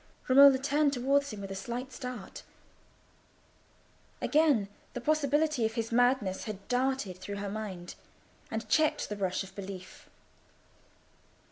Romola turned towards him with a slight start. Again the possibility of his madness had darted through her mind, and checked the rush of belief.